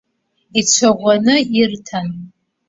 Ицәаӷәаны ирҭан.